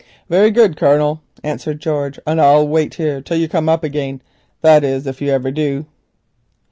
"Very good, Colonel," answered George, "and I'll wait here till you come up again—that is if you iver du."